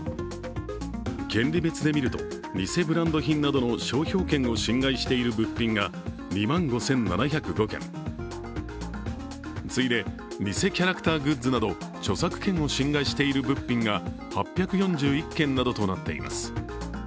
権利別で見ると偽ブランド品などの商標権を侵害している物品が２万５７０５件、次いで偽キャラクターグッズなど著作権を侵害している物品が８４１件などとなっています。